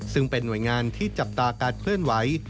ซึ่งเป็นหน่วยงานที่จับตาการเคลื่อนไหว